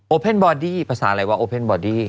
โอปเฟนบอดี้ภาษาอะไรวะโอปเฟนบอดี้